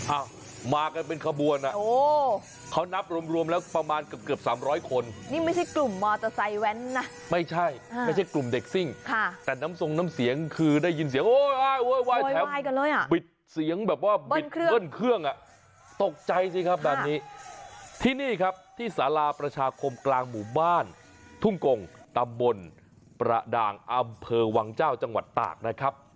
อ้าวมากันเป็นขบวนอ่ะโอ้เขานับรวมรวมแล้วประมาณเกือบเกือบสามร้อยคนนี่ไม่ใช่กลุ่มมอเตอร์ไซค์แว้นนะไม่ใช่ไม่ใช่กลุ่มเด็กซิ่งค่ะแต่น้ำทรงน้ำเสียงคือได้ยินเสียงโอ้ยว่าบิดเสียงแบบว่าบิดเบิ้ลเครื่องอ่ะตกใจสิครับแบบนี้ที่นี่ครับที่สาราประชาคมกลางหมู่บ้านทุ่งกงตำบลประดางอำเภอวังเจ้าจังหวัดตากนะครับ